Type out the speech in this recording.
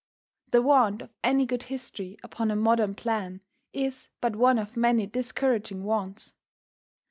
The want of any good history upon a modern plan is but one of many discouraging wants.